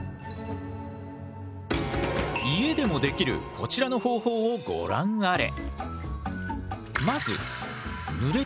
家でもできるこちらの方法をご覧あれ。